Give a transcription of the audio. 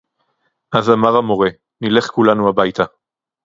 אָז אָמַר הַמּוֹרֶה: נֵלֵךְ כֻּולָּנוּ הַבַּיְתָה!